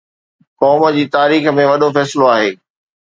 قوم جي تاريخ ۾ وڏو فيصلو آهي